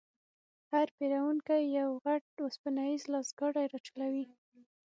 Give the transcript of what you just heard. هر پېرونکی یو غټ وسپنیز لاسګاډی راچلوي.